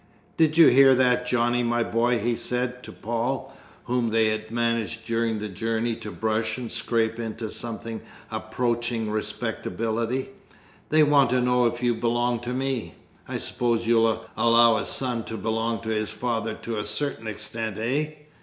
"Do you hear that, Johnny, my boy," he said, to Paul (whom they had managed during the journey to brush and scrape into something approaching respectability), "they want to know if you belong to me. I suppose you'll allow a son to belong to his father to a certain extent, eh?"